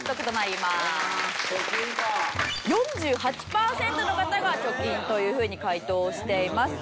４８パーセントの方が貯金というふうに回答をしています。